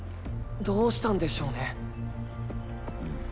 どうしたんでしょうね。